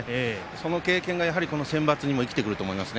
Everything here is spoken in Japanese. その経験がセンバツにも生きてくると思います。